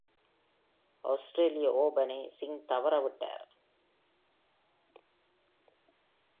ஆஸ்திரேலிய ஓபனை சிங்க் தவறவிட்டார்.